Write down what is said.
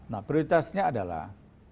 nah prioritasnya adalah